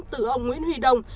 từ ông nguyễn huy đông